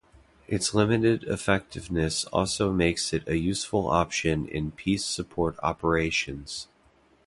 Its limited effectiveness also make it a useful option in peace support operations.